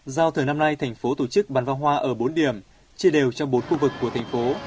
giao thời năm nay thành phố tổ chức bán pháo hoa ở bốn điểm chia đều trong bốn khu vực của thành phố